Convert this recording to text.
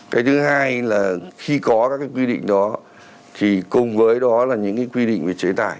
cái thứ hai là khi có các cái quy định đó thì cùng với đó là những cái quy định về chế tải